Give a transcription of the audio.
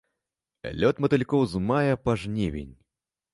Лёт матылькоў з мая па жнівень.